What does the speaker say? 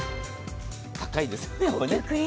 高いですよね。